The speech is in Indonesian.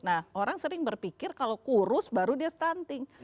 nah orang sering berpikir kalau kurus baru dia stunting